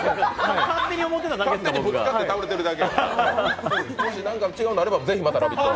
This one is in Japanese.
勝手にぶつかって倒れてるだけやから、もし何か違うのがあればぜひ「ラヴィット！」に。